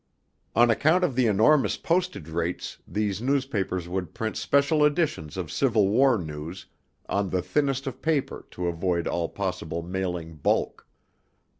On account of the enormous postage rates these newspapers would print special editions of Civil War news on the thinnest of paper to avoid all possible mailing bulk.